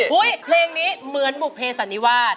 เพลงนี้เหมือนบุภเพสันนิวาส